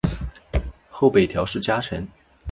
后北条氏家臣。